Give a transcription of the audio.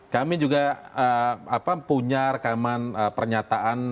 kami juga punya rekaman pernyataan